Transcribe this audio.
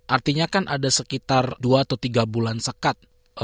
artinya kan ada sekitar dua atau tiga bulan sekat